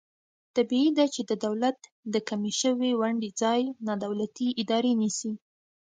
طبعي ده چې د دولت د کمې شوې ونډې ځای نا دولتي ادارې نیسي.